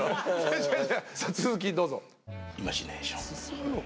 さあ続きどうぞ。